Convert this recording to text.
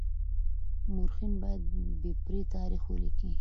مورخين بايد بې پرې تاريخ وليکي.